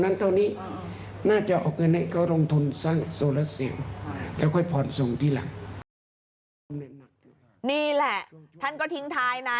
นี่แหละท่านก็ทิ้งท้ายนะ